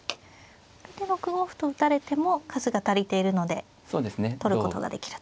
これで６五歩と打たれても数が足りているので取ることができると。